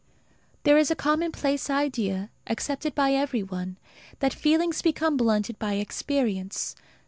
There is a commonplace idea, accepted by every one, that feelings become blunted by experience.